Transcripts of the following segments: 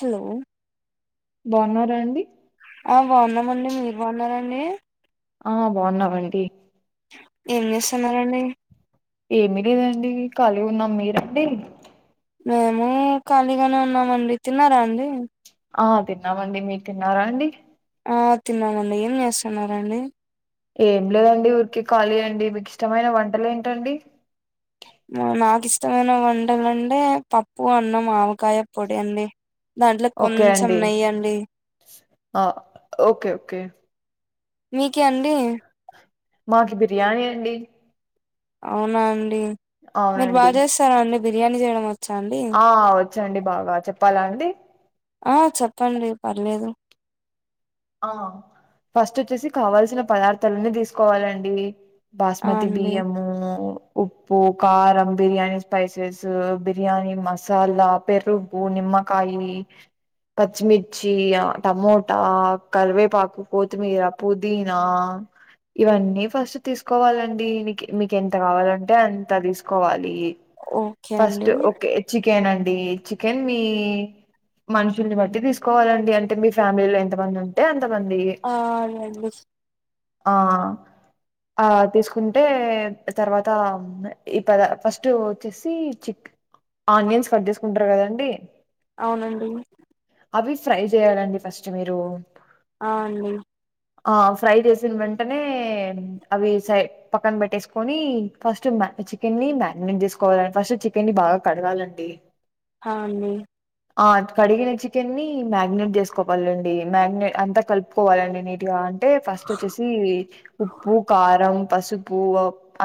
Hello బోన్నారండి ఆ బోన్నామండి మీరు బోన్నరండి ఆ బోన్నావండి ఏం చేస్తున్నారండి ఏమి లేదండి కలిగున్నం మీరండి మేము కలిగానే ఉన్నమండి తిన్నారండి ఆ తిన్నమండి మీరు తిన్నారండి ఆ తిన్నామండి ఎమ్ చేస్తున్నారండి ఏంలేదండి ఉత్తి కాళియేండి మికిష్టమైన వంటలేటండీ నకు ఇష్టమైన వంటలంటే పప్పు అన్నం ఆవకాయ పొడి అండి దాంట్లో ఓకే కొంచెం అండి నెయ్యండి ఆ ఓకే ఓకే మీకిఅండి మాకు బిర్యానీ అండి అవునా అండి మీరు అవునండి బాచేస్తారా అండి బిర్యానీ చేయడం వచ్చా అండి ఆ వచ్చండి బాగా చెప్పాలా అండి ఆ చెప్పండి పర్లేదు ఆ ఫస్ట్ వచ్చేసి కావల్సిన పదార్థాలన్న తీసుకోవాలండి ఆ బాస్మతి అండి బియ్యము ఉప్పు కారం బిర్యానీ స్పైసెస్ బిర్యానీ మసాలా పెరుగు నిమ మ్మకాయ్ పచ్చిమిర్చి టమోటా కర్వేపాకు కొత్తిమీరా పుదీనా ఇవన్నీ ఫస్ట్ తీసుకోవాలండి మీకెంత కావాలంటే అంత తీసుకోవాలి ఓకే ఫస్ట్ అండి ఓకే చికెన్ అండి చికెన్ని మనుషుల్ని బట్టి తీసుకోవాలండి అంటే మీ ఫ్యామిలీలో ఎంత మంది ఉం అ ఆండి ఆ ఆ తీసుకుంటే తర్వాత ఈ పద ఫస్ట్ వచ్చేసి చిక్ ఆనియన్స్ కట్ చేసుకుంటారకాదండి అవునండి అవి ఫ్రై చేయాలండి ఫస్ట్ మీరు అ అండి ఆ ఫ్రై చేేసిన వెంటనే అవి సై పక్కన పెట్టేసుకొని ఫస్ట్ మ చికెన్ని ని మాగ్నెట్ చేసుకోవాల ఫస్ట్ చికెన్ని బాగా కడగాలండి హ అండి ఆ కడిగిన చికెన్ని మ్యాగ్నేట్ చేసుకోవాలండి మ్యాగ్నేట్ అంతా కలుపుకోవాలండి నీటిగా అంటే ఫస్ట్ వచ్చేసి ఉప్పు కారం పసుపు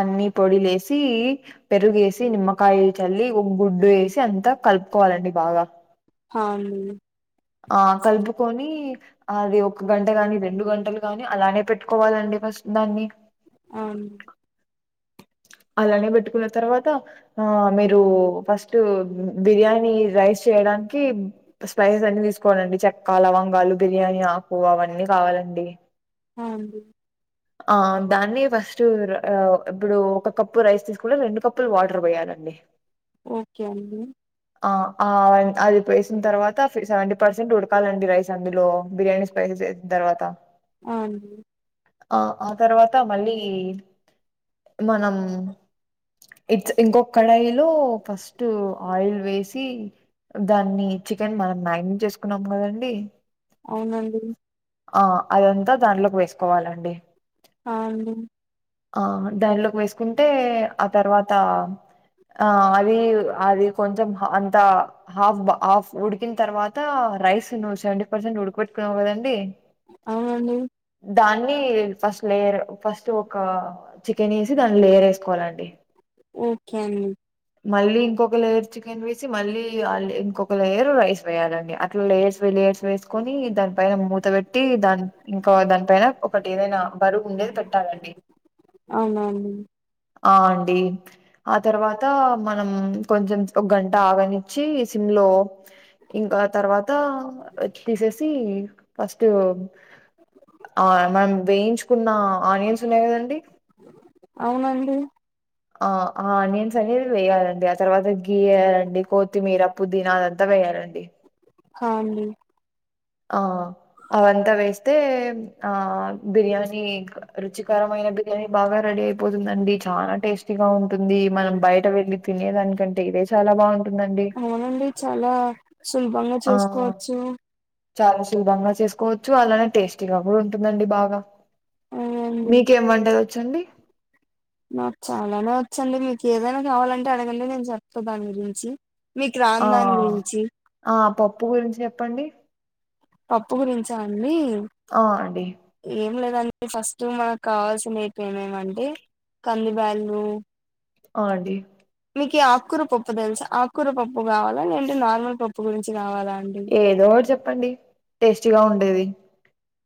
అన్ని పొడిలేసి పెరుగేసి నిమ్మకాయ చల్లి ఓగు వేసి అంతా కలుపుకోవాలండి బాగా హా ఆ కలుపుకొని అది ఒక గంట గాని రెండు గంటలు గాని అలానే పెట్టుకోవాలండి స్ నన్ని అవును అలానే పెట్టుకున్న తర్వాత ఆ మీరు ఫస్ట్ బిర్యానీ రైస్ చేయడానికి స్పైసస్ అని తీసుకోనండి చెక్క లవంగాలు బిర్యానీ ఆకు అవన్నీ కావాలండి ఆ అండి ఆ దాన్ని ఫస్ట్ ఇప్పుడు ఒక కప్పు రైస్ తీసుకుంటే రెండు కప్పులు వాటర్ పోయ్యాలి అండి ఓకే అండి ఆ ఆ అది పోసిన తర్వాత సెవె పర్సెంట్ ఉడకాలండి రైస్ అందులో బిర్యానీ స్పైసెస్ వేసిన తర్వాత అవునండి ఆ ఆ తర్వాత మళ్ళీ మనం ఇట్స్ ఇంకొక్కడాయిలో ఫస్ట్ ఆయిల్ వేసి దాన్ని చికెన్ మనం మ్యాగనీ చేసుకున్నాం కదండి అవునండి ఆ అదంతా దాంట్లోకి వేసుకోవాలండి ఆ అండి ఆ దానిలోకి వేసుకుంటే ఆ తర్వాత ఆ అది అది కొంచెం అంత హాఫ్ హాఫ్ ఉడికిన తర్వాత అంత రైస్ నువ్ సెవెంటీ పర్సెంట్ ఉడక్ పెట్టున్నావు కదండి అవును దాన్ని ఫస్ట్ లేయర్ ఫస్ట్ ఒక చికెన్ వేసి దాన్ని లేయర్ వేసుకోవాలండి ఓకే అండి మళ్ళీ ఇంకొక లేయరు చికెన్ వేసి మళ్ళీ ఇంకొక లేయరు రైస్ వేయాలండి అట్లా లేర్స్ తర్స్ వేసుకొని దాని ఫైన మూత పెట్టి దాన్ ఇంకా దాని పైన ఒకటి ఏదైనా బరువు ఉ ఏది పెట్టాలండి అవునా అండి ఆ అండి ఆ తర్వాత మనం కొంచెం ఒక గంట ఆగనిచ్చి సిమ్లో లో ఇంక తర్వాత తీసేసి ఫస్ట్ ఆ మనం వేయించుకున్న ఆనియన్స్ ఉన్నాయి కదండి అవునండి ఆ ఆనియన్స్ అనేది వేయాలండి ఆ తర్వాత గీయాలండి కొత్తిమీర పుదీనా అదంతా వేయాలండి హండి ఆ అవంతా వేస్తే ఆ బిర్యానీ రుచికరమయిన బిర్యానీ బాగా రెడీ అయిపోతుందండి చాలా టేస్ట్ టేస్టీగా ఉంటుంది మనం బయట వెళ్ళి తినేదానికంటే ఇదే చాలా బాగుం అవునండి చాలా సులభంగా ఆ చేసుకోవచ్చు చాలా శుభంగా చేసుకోవచ్చు అలానే టేస్టీగా కూడా ఉంటుందండి బాగా అవునండి మీకేం వంటలు వచ్చండి నాకు చాలానే వచ్చండి మీకు ఏదైనా కావాలంటే అడగండి నేను చెప్తా దాని గురించి మీకు ఆ రాని దాని గురించి ఆ పప్పు గురించి చెప్పండి పప్పు గురించా అండి ఆ అండి ఏం లేదు టే ఫస్ట్ మనకు కావాల్సిన ఏపు ఏమేమంటే కంది బ్యాల్లు కాది మీకు ఆకుకూర పప్పు తెలుస ఆకూర పప్పు కావాలా ఏంటి నార్మల్ పప్పు గురించి కావాలా అండి ఏదో ఒకటి చెప్పండి టేస్టీగా ఉండేది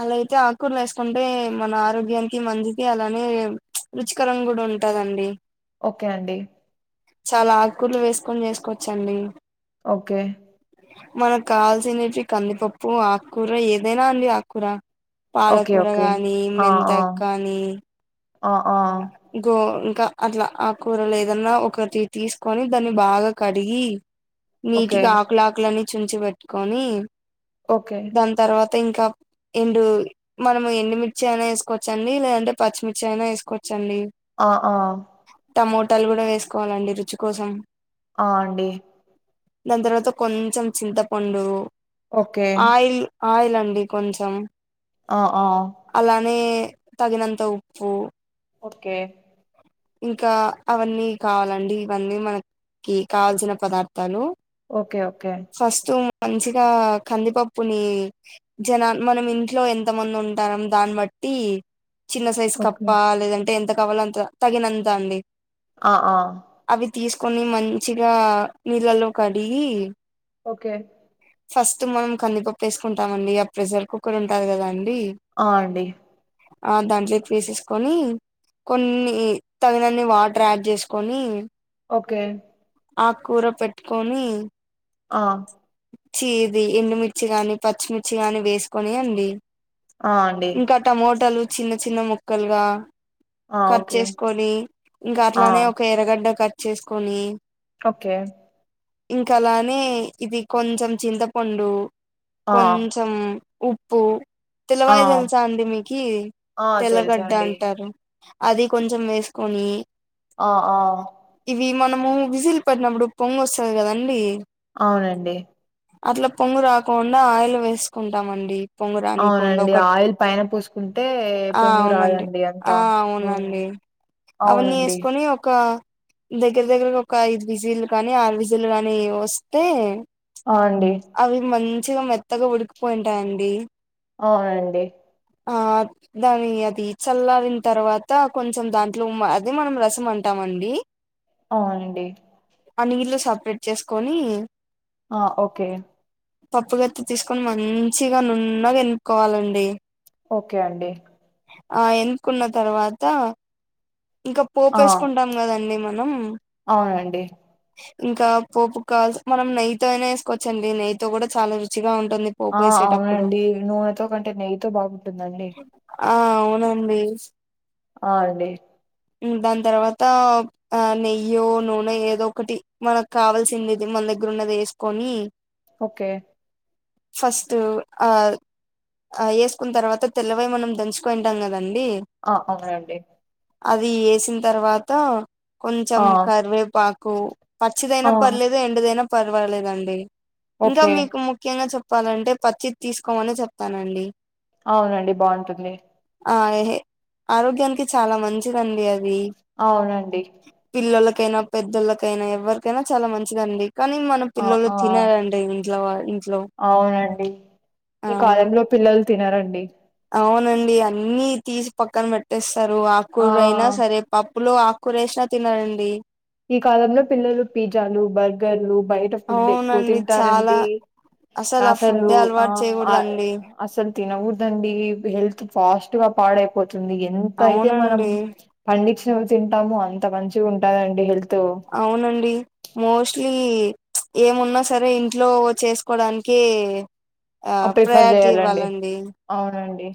అలా అయితే ఆకూరలు వేసుకుంటే మన ఆరోగ్యానికి మంచిది అలానే రుచికరం కూడా ఉంటాదండి ఓకే అండి చాలా ఆకుకూరలు వేసుకొని చేసుకోవచ్చండి ఓకే మనకు కావాల్సినేటివి కందిపప్పు ఆకూర ఏదైనా అండి ఆకూర ఓకే పాలకూర ఓకే గాని ఆ ఆ మెంతక్ కాని ఆ ఆ ఇంకా అట్లా ఆకూరలు ఏదన్నా ఒకటి తీసుకొని దాన్ని బాగా కడిగి నీటిగా ఓకే ఆకులా ఆకులని చుంచి పెట్టుకొని ఓకే. దాని తర్వాత ఇంకా ఎండు మనం ఎండుమిర్చి అయినా వేసుకోవచ్చండి లేదంటే పచ్చిమిర్చి అయినా వేసుకోవచ్చు ఆ ఆ టమోటాలు కూడా వేసుకోవాలండి రుచి కోసం ఆ అండి దాని తర్వాత కొంచెం చింతపండు ఓకే ఆయిలండి కొంచెం ఆ ఆ అలానే తగినంత ఉప్పు ఓకే ఇంకా అవన్నీ కావాలండి ఇవన్నీ మనకి కావల్సిన పదార్థాలు ఓకే ఓకే ఫస్ట్ మంచిగా కందిపప్పుని జనా మనం ఇంట్లో ఎంత మంది ఉంటాం దాన్ని బట్టి చిన్న సైజ్ ఓకే. కప్ప లేదంటే ఎంత కావాలో అంత తగినంత అండి ఆ ఆ అవి తీసుకొని మంచిగా నీళ్ళలో కడిగి ఓకే. ఫస్ట్ మనం కందిపప్పు వేసుకుంటామండి ఇక ప్రెషర్ కుక్కర్ ఉంటారు కదా అండి ఆ అండి ఆ దాంట్లోకి వేసేసుకొని కొన్ని తగినన్ని వాటర్ యాడ్ చేసుకొని ఓకే ఆ కూర పెట్టుకొని ఆ చ్చీది ఎండుమిర్చి గాని పచ్చిమిర్చి గాని వేసుకని అండి ఆ! అండి. ఇంకా టమోటలు చిన్న చిన్న ముక్కలుగా ఆ! Cut okay. చేసుకొని ఇంకా ఆ! అట్లానే ఒక ఎరగడ్డ కట్ చేసుకొని ఓకే ఇంకా అలానే ఇది కొంచెం చింతపండు ఆ! కొంచెం ఉప్పు ఆ! తెల్లవాయి తెలుసా అండి మీకు ఆ! తెల్లగడ్డ తెలుసండి. అంటారు అది కొంచెం వేసుకొని. ఆహ్ ఆహ్. ఇవి మనము విజీలు పట్టినప్పుడు పొంగోస్తుంది కదండి. అవునండి. అట్లా పొంగు రాకుండా ఆయిల్ వేసుకుంటామండి. పొంగు రానికుండా అవునండి ఒక ఆయిల్ పైన పుసుకుంటే పొంగు రాదండి అది. ఆహ్ అవునండి అవన్నీ అవునండి. వేసుకొని ఒక. దగ్గర దగ్గరగా ఒక ఐదు విజిలు గాని ఆరు విజిలు గాని వస్తే. ఆ! అండి. అవి మంచిగా మెత్తగా ఉడికిపోయింటాయండి. అవునండి. ఆహ్ దాన్ని అది చల్ల. న తర్వాత కొంచెం దాంట్లో అదే మనం రసం అంటామండి. అవునండి. ఆ నీళ్ళు సపరేట్ చేసుకొని. ఆహ్ ఓకే. పప్పుగత్తి తీసుకొని మంచిగా నున్నగా ఎనుపుకోవాలండి. ఓకే అండి. ఆహ్ ఎన్నుకున్న తర్వాత. ఇంకా ఆ! పోపేసుకుంటాం కదండి మనం. అవునండి. ఇంకా పోపు కాదు మనం నెయ్యితో అయినా వేసుకోవచ్చండి నెయ్యితో కూడా చాలా రుచిగా ఉంది. ఆహ్ అవునండి నూనెతో కంటే నెయ్యితో బాగుంటుందండి. ఆహ్ అవునండి. ఆహ్ అండి. దాని తర్వాత ఆహ్ నెయ్యి నూనె ఏదో ఒకటి మనకు కావాల్సింది ది మన దగ్గర. అన్నది వేసుకొని. ఓకే. ఫస్ట్ ఆహ్ వేసుకున్న తర్వాత తెల్లవయ మనం దంచుకోంటాం కదా. ఆహ్ అవునండి. అది వేసిన తర్వాత కొంచెం ఆ! కరివేపాకు. పచ్చిదైనా ఆ! పర్లేదు ఎండుదైనా పర్వాలేదండి. ఇంకా ఓకే. మీకు ముఖ్యంగా చెప్పాలంటే పచ్చిది తీసుకోమనే చెప్తానండి. అవునండి బాగుంటుంది. ఆహ్ ఎహే ఆరోగ్యానికి చాలా మంచిదండి అది. అవునండి. కైనా పెద్దళ్లకైనా ఎవరికైనా చాలా మంచిదండి. కానీ మన ఆ! పిల్లలు ఆ! తినారండి ఇంట్లో వా ఇంట్లో. అవునండి. ఆ ఈ కాలంలో పిల్లలు తినారండి. అవునండి అన్ని తీసి పక్కన పెట్టేస్తారు ఆ! ఆకుకూరలు అయినా సరే పప్పులు ఆకు. కురేష్నా తినారండి. ఈ కాలంలో పిల్లలు పిజ్జాలు బర్గర్లు బయట ఫుడ్ ఎక్కువ అవునండి చాలా తింటారండి. ఆహ్ ఆ అసలు ఫుడ్డే అలవాటు ఆహ్ అ చేయకూడదండి అసలు. తినకూడదండి హెల్త్ ఫాస్ట్ గా పాడైపోతు. ఎంత అయితే మనం అవునండి పండించినవి తింటామో అంత మంచిగుంటుందిండి హెల్త్. అవునండి మోస్ట్లీ. ఏమున్నా సరే ఇంట్లో చేసుకోడానికి. ఆ ప్రిఫర్ ప్రయారిటీ చేయాలండి ఇవ్వాలండి అవునండి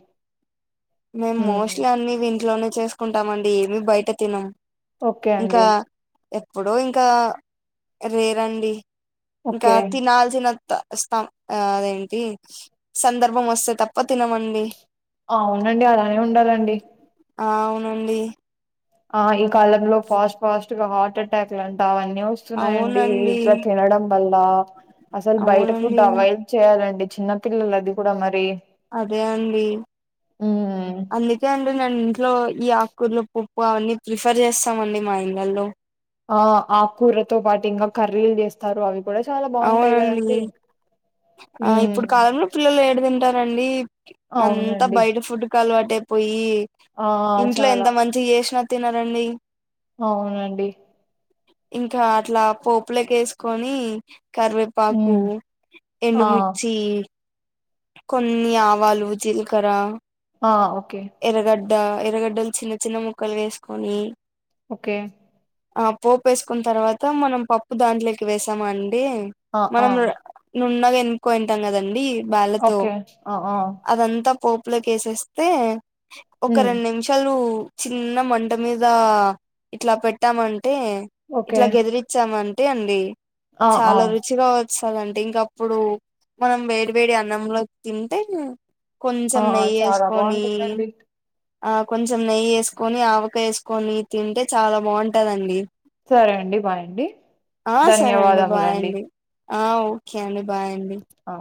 మేము హ్మ్. మోస్ట్లీ అన్ని ఇంట్లోనే చేసుకుంటామ అండి ఏమి బయట తినం ఓకే అండి ఇప్పుడు ఇంకా రేరండి ఇంకా ఓకే తినాల్సినంత వస్తా ఆ అదేంటి సందర్భం వస్తే తప్ప తినమండి అవునండి అలానే ఉండాలండి ఆ అవునండి ఆ ఈ కాలంలో ఫాస్ట్ ఫాస్ట్ గా హార్ట్ అటాక్ లాంటవని వస్తున్నాయండి అవునండి ఇట్లా తినడం వల్ల అసలు బయట ఫుడ్ అవునండి అవాయిడ్ చేయాలండి చిన్న పిల్లల అది కూడా మరి అదే అండి హ్మ్. అందుకే అండి నేను ఇంట్లో ఈ ఆకుర్లు పప్పు అవన్నీ ప్రిఫర్ చేస్తామండి మా ఇండ్లల్లో ఆ ఆకూరతో పాటు ఇంకా కర్రీలు చేస్తారు అవి కూడా చాలా బాగుంటాయి అవునండి కదండి ఆ ఉమ్ ఇప్పుడు కాలంలో పిల్లలు ఏడ తిన్ ఉంటారండి అంతా అవునండి బయట ఫుడ్డుకు అలవాటు అయిపోయి ఆ ఇంట్లో చాలా ఎంత మంచిగా చేసినా తినరండి అవునండి ఇంకా అట్లా పోపులకు ఏసుకొని కరివేపాకు ఉమ్ ఆ ఎండుమిర్చి కొన్ని ఆవాలు జీలకర్ర ఆ ఓకే ద్ద ఎర్రగడ్డలు చిన్న చిన్న ముక్కలుగా ఏసుకొని ఓకే ఆ పోపు ఏసుకున్న తర్వాత మనం పప్పు దాంట్లోకి వేసామన్ ఆ ఆ మనం నున్నగా ఎనుకుంటాం కదండి బా ఓకే ఆ ఆ అదంతా పోపు పోపులేకి ఏసేస్తే ఒక ఉమ్ రెండు నిమిషాలు చిన్న మంట మీద ఇట్లా పెట్టామంటే ఓకే ఇట్లా గెదిరిచ్చామంటే అంతే అండి ఆ ఆ చాలా రుచిగా వస్తది అండి ఇంకప్పుడు మనం వేడి వేడి అన్ అన్నంలో తింటే ఆ కొంచెం నెయ్యి చాలా ఏసుకొని బాగుంటుందండి ఆ కొంచెం నెయ్యి ఏసుకొని ఆవకాయ ఏసుకొని తింటే చాలా బాగుంటదండి సరే అండి బాయండి ఆ సరే అండి బాయ్ ధన్యవాదములండి. అండి ఆ ఓకే అండి బాయ్ అండి ఆ